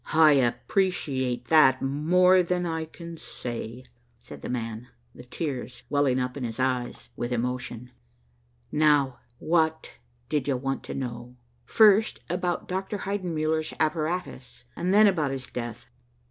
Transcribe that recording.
"I appreciate that more than I can say," said the man, the tears welling up into his eyes with emotion. "Now, what did you want to know?" "First about Dr. Heidenmuller's apparatus, and then about his death."